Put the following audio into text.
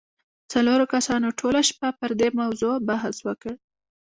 څلورو کسانو ټوله شپه پر دې موضوع بحث وکړ.